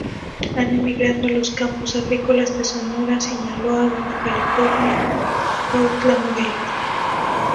Han emigrado a los campos agrícolas de Sonora, Sinaloa, Baja California, Cuautla Morelos.